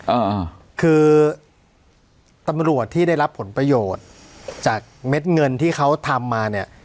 อ่าคือตำรวจที่ได้รับผลประโยชน์จากเม็ดเงินที่เขาทำมาเนี้ย